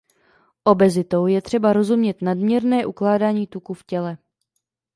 Obezitou je třeba rozumět nadměrné ukládání tuku v těle.